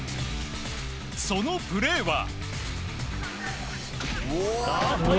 そのプレーは。